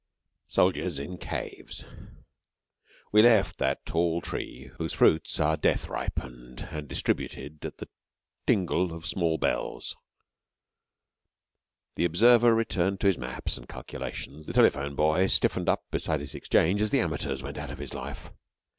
SOLDIERS IN CAVES We left that tall tree whose fruits are death ripened and distributed at the tingle of small bells. The observer returned to his maps and calculations; the telephone boy stiffened up beside his exchange as the amateurs went out of his life.